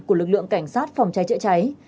của lực lượng cảnh sát phòng cháy cháy cháy